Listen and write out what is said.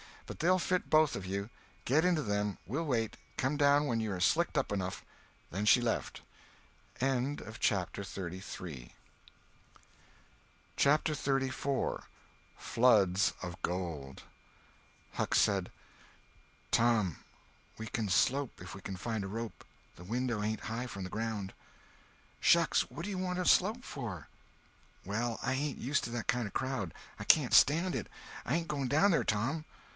But they'll fit both of you. Get into them. We'll wait—come down when you are slicked up enough." Then she left. CHAPTER XXXIV HUCK said: "Tom, we can slope, if we can find a rope. The window ain't high from the ground." "Shucks! what do you want to slope for?" "Well, I ain't used to that kind of a crowd. I can't stand it. I ain't going down there, Tom."